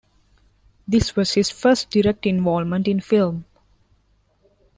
This was his first direct involvement in film.